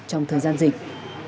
trong thời gian dịch